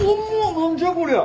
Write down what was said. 何じゃこりゃ。